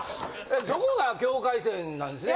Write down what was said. そこが境界線なんですね